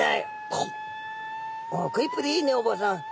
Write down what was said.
「ああ食いっぷりいいねお坊さん。